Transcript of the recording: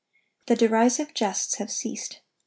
(1108) The derisive jests have ceased.